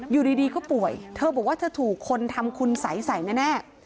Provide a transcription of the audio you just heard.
อยู่ดีก็ป่วยเธอบอกว่าเธอถูกคนทำคุณสัยใส่แน่